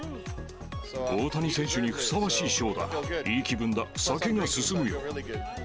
大谷選手にふさわしい賞だ、いい気分だ、酒が進むよ！